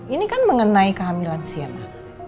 ini kan mengenai kehamilan siana